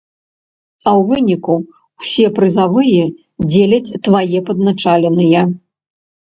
А ў выніку ўсе прызавыя дзеляць твае падначаленыя!